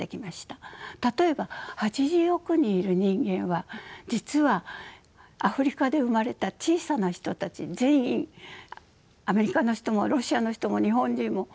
例えば８０億人いる人間は実はアフリカで生まれた小さな人たち全員アメリカの人もロシアの人も日本人もみんなおんなじなんだ。